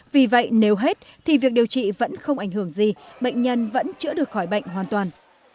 vì vậy nếu hết thì việc điều trị vẫn không ảnh hưởng gì bệnh nhân vẫn chữa được khỏi bệnh hoàn toàn